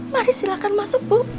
mari silahkan masuk ibu